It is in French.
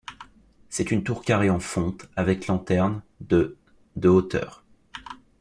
C'est une tour carrée en fonte, avec lanterne, de de hauteur.